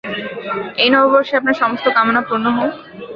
এই নববর্ষে আপনার সমস্ত কামনা পূর্ণ হউক।